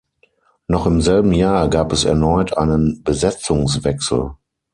Noch im selben Jahr gab es erneut einen Besetzungswechsel.